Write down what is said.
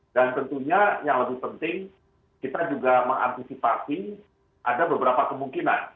dan tentunya yang lebih penting kita juga mengantisipasi ada beberapa kemungkinan